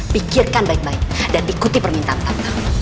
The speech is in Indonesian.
pikirkan baik baik dan ikuti permintaan kami